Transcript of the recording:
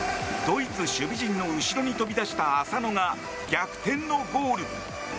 ドイツ守備陣の後ろに飛び出した浅野が逆転のゴール。